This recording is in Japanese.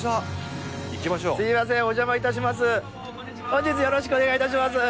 本日よろしくお願いいたします。